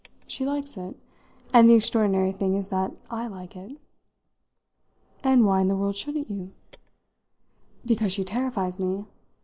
She likes it. And the extraordinary thing is that I like it." "And why in the world shouldn't you?" "Because she terrifies me.